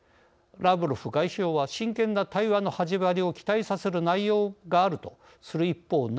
ラブロフ外相は真剣な対話の始まりを期待させる内容があるとする一方